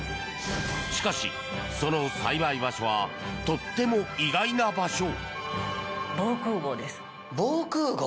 しかし、その栽培場所はとっても意外な場所。